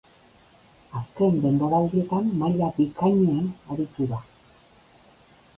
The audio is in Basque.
Azken denboraldietan maila bikainean aritu da.